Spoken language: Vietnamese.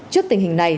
trước tình hình này